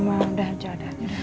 mama udah aja udah